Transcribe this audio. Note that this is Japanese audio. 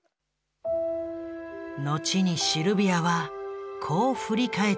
後にシルビアはこう振り返っている。